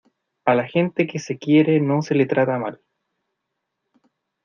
a la gente que se quiere no se la trata mal.